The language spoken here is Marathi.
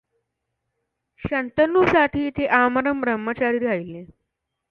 शंतनूसाठी ते आमरण ब्रह्मचारी राहिले.